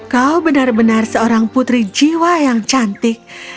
kau benar benar seorang putri jiwa yang cantik